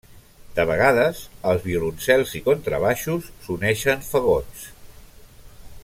De vegades, als violoncels i contrabaixos s'uneixen fagots.